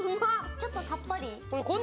ちょっとさっぱり？